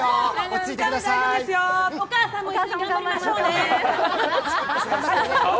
お母さんも一緒に頑張りましょうね。